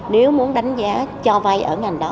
nếu muốn đánh giá cho vai ở ngành đó